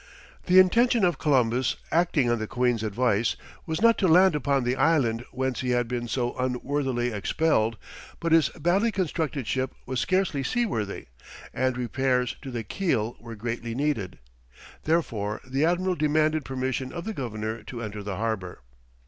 The intention of Columbus, acting on the queen's advice, was not to land upon the island whence he had been so unworthily expelled; but his badly constructed ship was scarcely sea worthy, and repairs to the keel were greatly needed. Therefore the admiral demanded permission of the governor to enter the harbour.